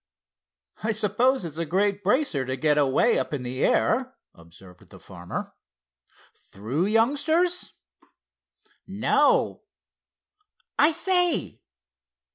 "I suppose it's a great bracer to get away up in the air," observed the farmer. "Through, youngsters?" "No. I say!